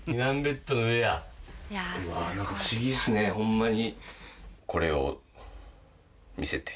うわ何か不思議っすねホンマに。